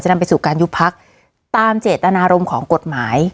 นำไปสู่การยุบพักตามเจตนารมณ์ของกฎหมาย